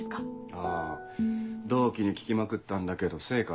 あぁ同期に聞きまくったんだけど成果